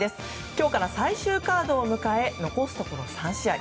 今日から最終カードを迎え残すところ３試合。